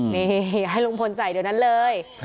นี่ให้ลุงพลใส่เดี๋ยวนั้นเลย